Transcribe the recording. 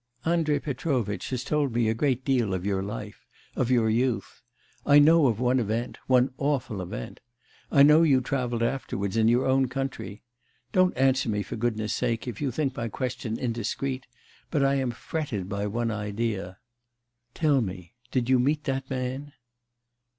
'Andrei Petrovitch has told me a great deal of your life, of your youth. I know of one event, one awful event.... I know you travelled afterwards in your own country.... Don't answer me for goodness sake, if you think my question indiscreet, but I am fretted by one idea.... Tell me, did you meet that man?